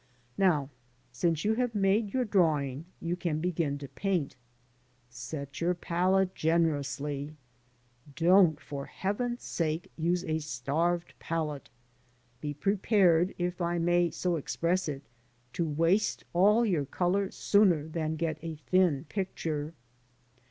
Now since you have made your drawing you can begin to paint. Set your palette generously. Don't, for heaven's sake, use a starved palette I Be prepared, if I may so express it, to waste all your colour sooner than get a thin picture.